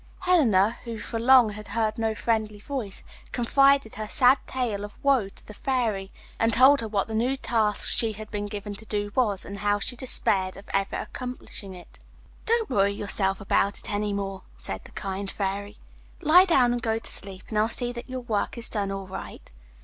Helena, who for long had heard no friendly voice, confided her sad tale of woe to the Fairy, and told her what the new task she had been given to do was, and how she despaired of ever accomplishing it. 'Don't worry yourself about it any more,' said the kind Fairy; 'lie down and go to sleep, and I'll see that your work is done all right.